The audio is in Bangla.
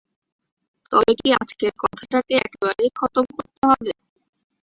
তবে কি আজকের কথাটাকে একেবারেই খতম করতে হবে।